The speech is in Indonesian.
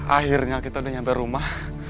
akhirnya kita udah nyampe rumah